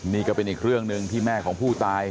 นี่ก็เป็นอีกเรื่องหนึ่งที่แม่ของผู้ตาย